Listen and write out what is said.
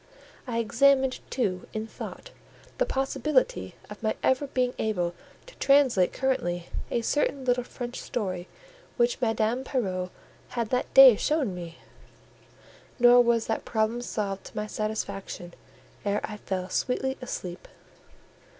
I examined, too, in thought, the possibility of my ever being able to translate currently a certain little French story which Madame Pierrot had that day shown me; nor was that problem solved to my satisfaction ere I fell sweetly asleep.